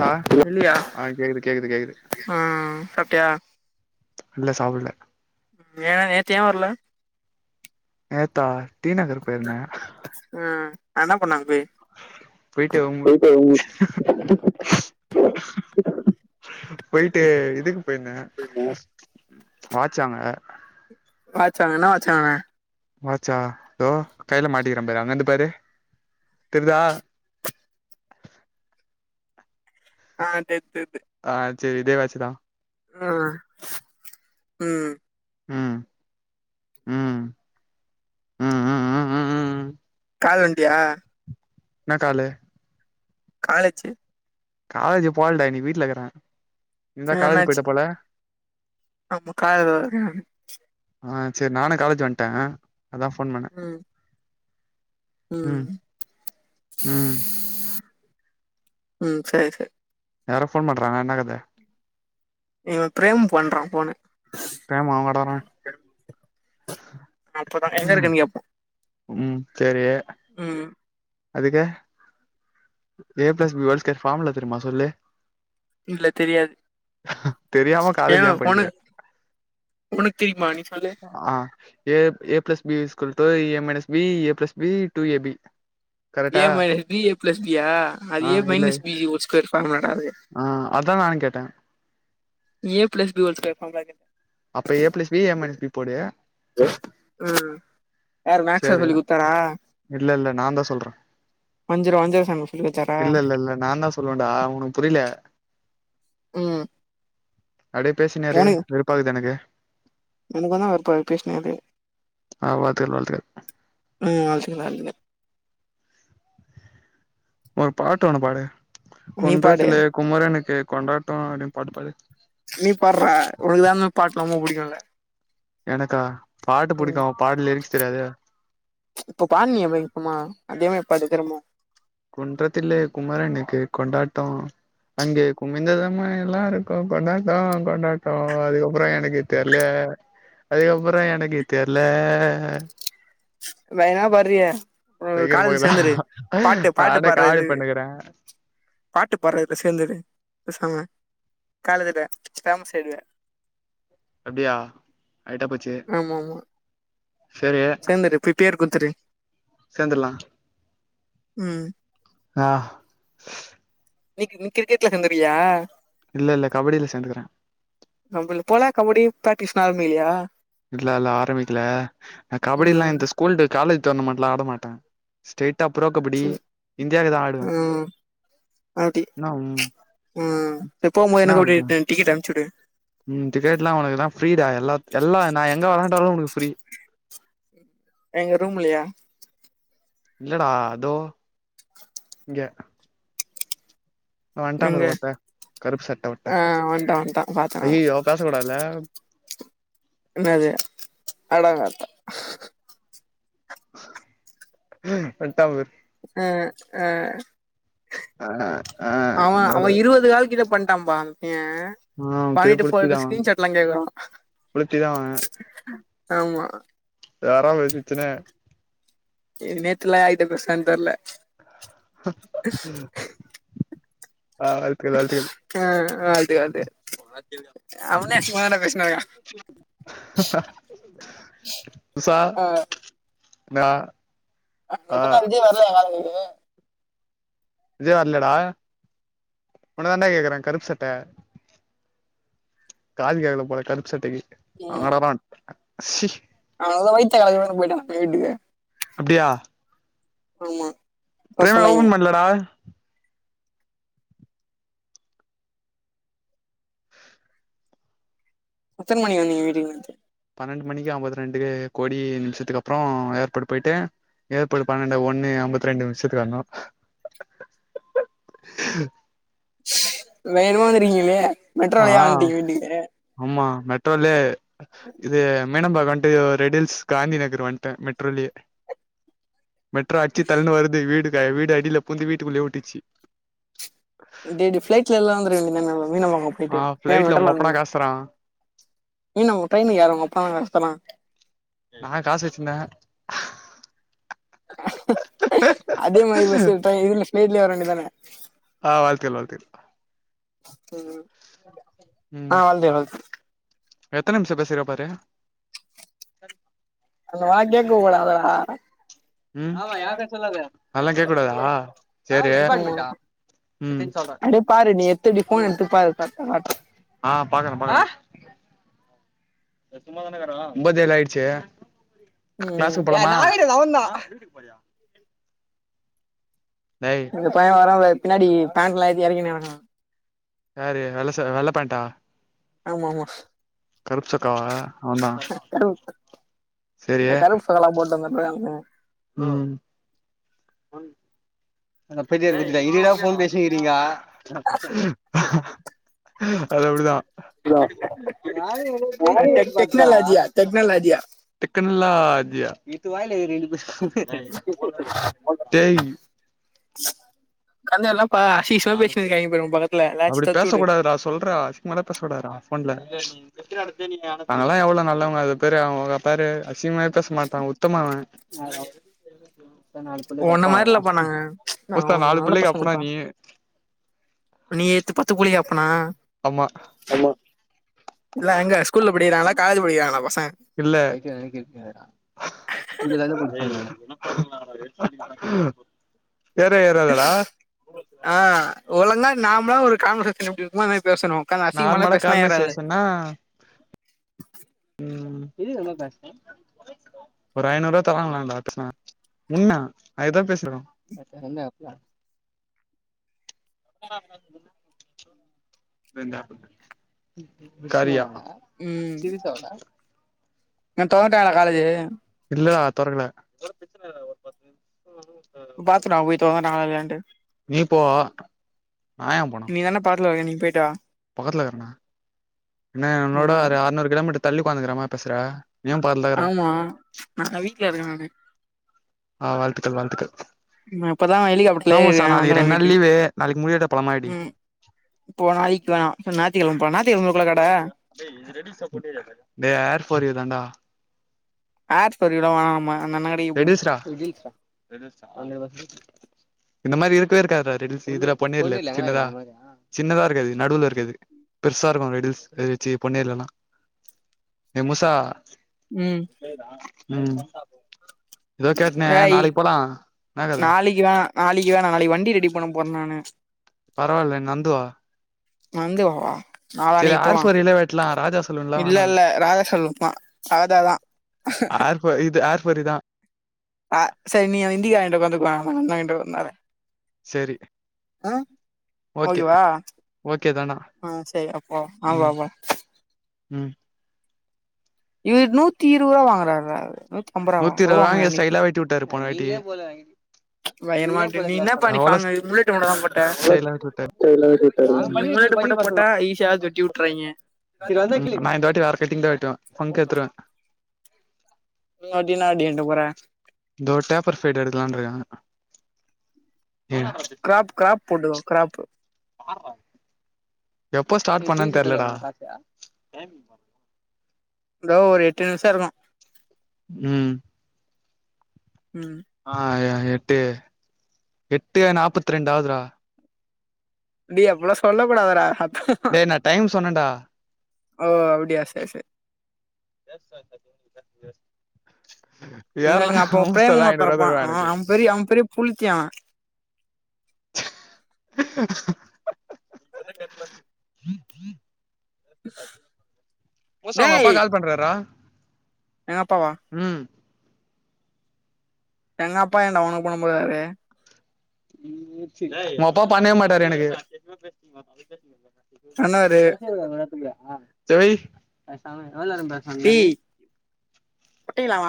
நா வெளியா ஆ கேகுது கெய்து கய்து ஆ சாப்ட்டியா இல்ல சாப்புட்ல ஏ நேத்தி ஏ வர்ல நேத்தா டீ நகர் பேயிருந்த அ என்ன பண்ண அங்க பேய் உங்க பெயிட்டேய் பொயிட்டு இதுக்கு பேயிருந்த வாச் வாங்க வாச் வாங் என்னா வாச் வாங்குன வாச்சா தோ கைல மாட்டிகிற பாரு அங்கந்து பாரு தெர்தா ஆ தெர்த் தெர்து ஆ சேரி இதே வாச்சிதா ம் ம் ம் ம் ம் ம் ம் ம் கால் வன்டியா ன்னா காலு காலேஜி காலேஜி போலடா இன்னிக் வீட்லக்குற ஏ என்னாச் ஆமு [unintelligible] ஆ சேர் நானே காலேஜ் வன்ட்ட அதா ஃபோன் பண்ண ம் ம் ம் ம் சேரி சே யாரோ ஃபோன் பண்றாங்க என்னா கத இவ பிரேம் பண்றா ஃபோணு பிரேம் அவ கடக்குறா அப்பதா எங்க இருக்கன் கேப்பா ம் சேரி அதுக்கு A plus B whole square formula தெரிம்மா சொல்லு இல்ல தெரியாது தெரியாம ஏ காலேஜ் ஏன் படிக்கிற ஒனக் உனுக் தெரிய்மா நீ சொல்லு ஆ A A plus B யூஸ்கூல்டு A minus B A plus B two A B A கரெக்டா minus B A plus B yeah அது ஆ ஏ இல்ல மைனஸ் பி ஹோல்ஸ்கொயர் ஃபர்முலா ஆ அதா நானு கேட்ட A plus B whole square ஃபார்முலாக் என் அப்ப A plus B A minus B போடு ம் யாரு மேக்ஸா சேரி வே சொல்லி குத்தாரா இல்லல்ல நாந்தா சொல்ற வஞ்சர வஞ்சர சாமி சொல்லி குத்தாரா இல்லல்லல்ல நாந்தா சொல்லுவன்டா உனக் புரிய்ல ம் அவ்டே பேசின்னே இரு வெறுப்பாகுது எனக்கு உனுக்கு தா வெறுப்பாவ்து பேஸ்னே இது ஆ வாழ்த்துக்கள் வாழ்த்துக்கள் ம் ஆசிக்குன அல்லுனே ஒரு பாட்டு ஒன்னு பாடு நீ பாடு குன்றத்திலே குமரனுக்கு கொண்டாட்டொ அவ்டின் பாட்டு பாடு நீ பாற்றா உனக்கு தான்ன பாட்லா ஒம்ப புடிக்குல்ல எனக்கா பாட்டு புடிக்கு பாட்டு லிரிக்ஸ் தெரியாதே இப்ப பான்னியே வைக்குமா அதே மே பாடு திரும்புவு குன்றத்திலே குமரனுக்கு கொண்டாட்டொ அங்கே குமிந்ததம்மா எல்லாருக்கு கொண்டாட்டொ கொண்டாட்டொ அதுக்கப்புறொ எனக்கு தெரிலே அதுக்கப்புறொ எனக்கு தெர்ல வேறெனா பாடுரியே ஒரு காலேஜில பயங்கரமாக்குதா சேந்தரு பாட்டு பாட்டு நானே பாடுற காமெடி இது பண்ணுக்குறே பாட்டு பாடற இதுல சேர்ந்துரு பேசாம காலேஜ்ல பேமஸ் ஆயிடுவ அப்டியா ஆயிட்டா போச்சு சேரி சேந்துரு போய் பேர் குடுத்துரு சேந்துர்லா ம் ஆ நீ நீ கிரிக்கெட்ல சேந்துருவியா இல்ல இல்ல கபடில சேந்துக்கறே நம்மள்ள போல கபடி பிராக்டிஸ் யாருமே இல்லையா இல்ல இல்ல ஆரபெக்கல கபடி எல்லா இந்த ம் ஸ்கூல்டு காலேஜ் டோர்னமெண்ட்லா ஆட மாட்டே ஸ்ட்ரைட்டா ப்ரோக்கபடி இந்தியாக்குதா ஆடுவே ம் அப்டி என்னா என்னா ஆ போம்போது எனக்கு அப்டிய ஆகுது ரெண் டிக்கெட் அனுப்ச்சுடு ம் டிக்கெட்லா உனக்குனா ப்ரீடா எல்லா எல்லா நா எங்க வேன தரோ உனக்கு ஃப்ரீ எங்க ரூம்லயா இல்லடா அதோ இங்க வன்ட்டா எங்க பாரு ஒருத்தே கருப்பு சட்ட ஒட்ட ஆ வன்ட்டா வன்ட்டா பாத்தே நானு ஐய்யய்யோ பேசக்கூடாதுலே ! ! ! ! ! ! ! ! ! ! வன்டா பாரு ஆ ஆ ஆ ஆ அவே என்னோட அவே இருவது கால் கிட்ட பண்ணிட்டாப்பா அந் பையே ஆ பெரிய பண்ணிட்டு போடோ புளுத்திதா அவ ஸ்கிரீன் சாட்லா கேக்கறா புளுத்திதா அவ ஆமா யாரோ [unintelligible] நேத்துலா யார்ட பேசுனான்னு தெரில ஆ வாழ்த்துகள் வாழ்த்துக்கள் அ அது அது அவினாசி மவன பேஸ் நாயா உஷா ஆ நா ஆ இப்பத்தா விஜி வரலயா வேலைக்கு விஜய் வரலடா உன்ன தாண்ட கேக்குறே கருப்பு சட்ட காது கேக்கல போல கருப்பு சட்டைக்கு ஆடறான் அவதா வையித்த கலக்குதுனு போய்டா வீட்டுக்கு அப்டியா ஆமா அதா பிரேமே சொன்னாய்ங்க ஓப்பன் பண்லடா எத்தன மணிக்கு வந்தீங்க வீட்டுக்கு நீங்க பன்னெண்டு மணிக்கு அம்பத்தி ரெண்டு கோடி நிமிஷத்துக்கு அப்றோ ஏற்போடு போயிட்டு ஏற்போடு பன்னெண்டு ஒண்ணு அம்பத்தி ரெண்டு நிமிஷத்துக்கு வரணு வேகமா வந்திருக்கீங்களே மெட்ரோலையா வந்துட்டீங்க வீட்டுக்கு மெட்ரோலே இது மீனம்பாக்கோ வன் ஓ ரெடில்ஸ் காந்தி நகர் வன்டே மெட்ரோலயே மெட்ரோ அச்சு தல்ன்னு வருது வீடு க வீடு அடியில பூந்து வீட்டுக்குள்ளயே வுட்டுச்சு அப்டியே இப்டி ஃபிளைட்ல எல்லா வந்துருக்க வேண்டிய தான மீனம்பாக்கோ ஆ போயிட்டு ஏ ஃபிளைட்ல உங்க மெட்ரோல அப்பனா வந்தீங்க காசுதரா இன் நா ஒர் ட்ரெயினு எறப்பதா கஷ்டமாயிருக் நா காஸ் வெச்சிருந்தே அதே மாரி பஸ்ஸ விட்டா இதுல ஃப்ளைட்லே வர வேண்டி தான ஆ வாழ்த்துக்கள் வாழ்த்துக்கள் ம் ஆ ம் வாழ்த்துக்கள் வாழ்த்து எத்தன நிம்ஷோ பேசிருக்க பாரு அந்த மாரி கேக்கு போல அதுலாத ம் அதெல்லா கேக்கக்கூடாதா சேரி ஆமா ம் அப்படியே பாரு நீ எத்தடி போன் எடுத்து பாரு கரெக்டா காட்டும் [unintelligible] ஆ பாக்கறே பாக்கறே சரி சும்மாதான இக்குரோ ம் க்ளாஸ்க்கு போலாமா டேய் இந்த பைய வேற பின்னாடி பேண்ட்லா ஏத்தி எறக்கினுக்கா யாரு வெள்ள ச வெள்ள பேண்ட்டா ஆமா ஆமா கருப்பு சொக்காவா அவந்தா கருப்பு இந்த கருப்பு சொக்காலா போட்டு வந்துட்டு இருக்கானே ம் வன் எடா [unintelligible] எங்கடா ஃபோன் பேசிக்கிறீங்க அது அப்டிதா ப்ரோ டெக்னலாஜியா டெக்னலாஜியா டெக்னலாஜியா டேய் கல்லா என்ன பா அசிங்க அசிங்கமா பேசினு இருக்காய்ங்க பாரு ஓ பக்கத் அப்டி பேசக் கூடாதுடா சொல்றா அசிங்கமா எல்லா பேசக் கூடாதுடா ஃபோன்ல நாங்கலா எவ்ளோ நல்லவங்க அது பாரு அவங்க பாரு அசிங்கமாவே பேச மாட்டா உத்தம அவ நாலு புள்ளைக்கு உன்ன அப்பா மாரி ஆவுவா இல்லப்பா நாங்க நா முசா நாலு நல்ல புள்ளைக்கு அப்பனா பசங்கப்பா நீயி நீ எத்து பத்து புள்ளைக்கு அப்பனா ஆமா ஆமா எல்லா எங்க ஸ்கூல்ல படிக்கிறாங்களா காலேஜு படிக்கிறாங்களா பசங் இல்ல எ எ எனா [unintelligible] ஏறவே ஏறாதாடா நார்மலா ஒரு கான்வஸேஷன் எப்டி இருக்குனா பேசணு ஒக்காந்து அசிங்கமாலா நார்மலா பேசுனா ஏறாது கார்மேசேஷன்னா ஒரு ஐநூறு ரூபா தராங்கலாடா பேசுனா என்னா அதுதா பேசுறோ [inaudible] ஃப்ரெண்ட் ஆப் கரியா ம் சீரியஸ்ஸாவாடா நா தொறந்துட்டாங்களா காலேஜு இல்லடா தொரக்கல பாத்துன்னா போய்ட்டு வாங்க நாங்க விளையாண்ட்டு நீ போ நா ஏ போனு நீ தானே பக்கத்துல இருக்க நீ போயிட்டா பக்கத்துல இருக்கறேண்ணா என்ன என்னோட ஆமா ஒரு அறநூறு கிலோமீட்டர் தள்ளி உக்குாந்துக்கறாமா பேசுற நீ ஏ பக்கத்துல இருக்கற ஆமா நா வீட்டுல இருக்கே நானு ஆ வாழ்த்துக்கள் வாழ்த்துக்கள் நா இப்பதா ஹெலிகாப்டர்ல ஆமா ஏறிருக்கே சார் நாளைக்கு வந்துருவே ரெண்டு நாள் வீட்டுக்கு லீவு நாளைக்கு முடி வெட்ட போலாமா எப்டி ம் இப்போ நாளைக்கு வேணா ஞாயித்துக்கெழம போலா ஞாயித்துக்கெழம இருக்குல்ல கட டேய் ஏ ர் ஃபோர்யு தாண்டா ஏர் ஃபோர் யூ லா வாங்ளாமா ரெய்டில்ஸ் டா இந்த மாரி இருக்கவே இருக்காதுடா ரெடில்சு இதுல பண்ணிரலா சின்னதா சின்னதா இருக்காது நடுவுல இருக்கது பெருசா இருக்கு ரிட்டில்ஸ் ஏ ச்சு பொண்ணே இல்லனா ஏ மூசா ம் ம் லேட்டாட்ன நாளைக் போலா என்னா கத நாளிகுதா நாளிகுதா நா நாளைக்கு வண்டி ரெடி பண்ண போர்ன் நானு பரவால்ல நந்துவா நந்து வா சேரி நாளானிக்கு ஏர் போலா ஃபார் யூ லே வெட்லா ராஜா சலூன்லா இல்ல வேணா இல்ல ராதாசலூன்க்தா ராதாதா ஆர்ஃபோ இது ஆர்ஃப் வரிதா அ சரி நீ இண்டிகா வாய்ன்ட்டு வந்துக்லா கொஞ்சுன் வாய்ன்ட்டு வந்த்ராத சேரி ஓகே ஓகேவா ஓகேதானா ஆ சரி அப்போ ஆ வா ம் வா ம் இவுர் நூத்தி இருவுரா வாங்குறார்ரா நூத்தி இருவுது வாங்கி ஸ்டைலா வெட்டி உட்டாரு போனவாட்டி பைய்ர்மா வெட்டி நீ இன்னபா நீ ஃபாங்கு முள்ளட்டு மூடுதா போட்ட ஸ்டைலா வெட்டி விட்டாரு நீ முள்ளட்டு போட்டா போட்டா ஈசியாது வெட்டி உட்ருவாய்ங்க நா இந்த வாட்டி வேற கட்டிங் தான் வெட்டுவ ஃபங்க்கு எட்த்துருவ நோடினா அப்டி இர்ன்ட்டு போற இந்தோர் சேஃப்பர் சைடு எடுக்குலான்றியா க்ராப் க்ராப் போட்டுகோ க்ராப்பு பறவா எப்ப ஸ்டாட் பண்ணன் தெர்லடா லோ ஒரு எட்டு நிம்ஷோ இருக்கு ம் ம் ஆ எ எட்டு எட்டு நாப்பத்ரெண்டாதூரா டி அப்புளா சொல்ல கூடாது டா டேய் நான் டைம் சொன்னன்டா ஓ அப்டியா சேர் சேர் [inaudible] யார்லா நீங்க அப்போ பிரேமனு ஹவுன்ஸ்ட்டதா ஒருத்த ஐநூர்வா இருப்பா தருவா ஆ எனக்கு அவ பெரிய அவ பெரிய புளித்தி அவ [inaudible] ஓஸ் அவ்ங் அப்பா கால் பண்றாரா ஏன் அப்பாவா ம் எங்க அப்பா ஏன்டா ஒனக்கு பண்ண போறாரு நோப்பா பண்ணே மாட்டாரு எனக்கு சொன்னவரு த்ரை எவுள் நேரன் பேஸ்னு அந்மாரி டேய் குட்டையில அவ